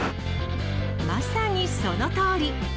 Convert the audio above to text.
まさにそのとおり。